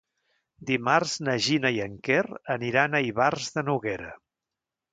Dimarts na Gina i en Quer aniran a Ivars de Noguera.